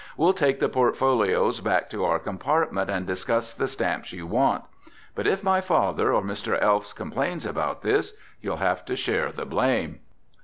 We'll take the portfolios back to our compartment and discuss the stamps you want. But if my father or Mr. Elfs complains about this, you'll have to share the blame."